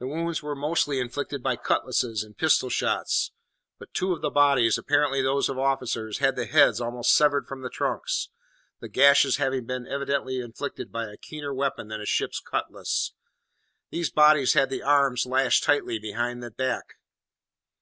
The wounds were mostly inflicted by cutlasses and pistol shots; but two of the bodies, apparently those of officers, had the heads almost severed from the trunks, the gashes having been evidently inflicted by a keener weapon than a ship's cutlass. These bodies had the arms lashed tightly behind the back.